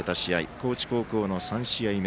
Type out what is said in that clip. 高知高校の３試合目。